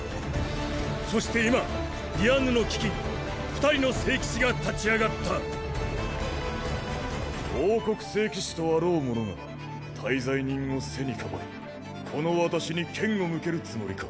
そして今ディアンヌの危機に二人の聖騎士が立ち上がった王国聖騎士とあろう者が大罪人を背にかばいこの私に剣を向けるつもりか？